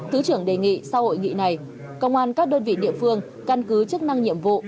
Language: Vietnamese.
thứ trưởng đề nghị sau hội nghị này công an các đơn vị địa phương căn cứ chức năng nhiệm vụ